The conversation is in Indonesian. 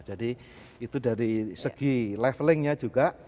jadi itu dari segi levelingnya juga